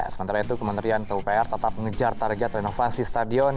sementara itu kementerian pupr tetap mengejar target renovasi stadion